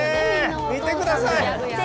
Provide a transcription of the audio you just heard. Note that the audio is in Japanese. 見てください。